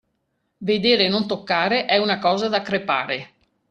Vedere e non toccare è una cosa da crepare.